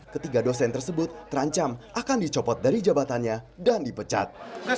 ketiga dosen tersebut terancam akan dicopot dari jabatannya dan dipecat